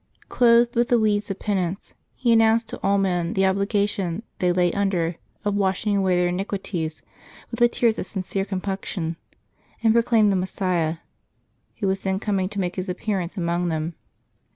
Clothed with the weeds of penance, he an nounced to all men the obligation they lay under of washing away their iniquities with the tears of sincere compunction; and proclaimed the Messias, Who was then coming to make His appearance among them.